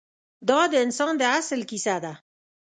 دا د انسان د اصل کیسه ده.